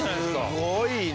すごいな！